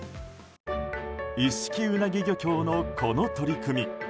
一色うなぎ漁協のこの取り組み。